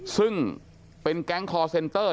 ซึ่งเป็นแก๊งคอร์เซนเตอร์